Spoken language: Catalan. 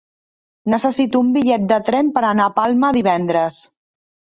Necessito un bitllet de tren per anar a Palma divendres.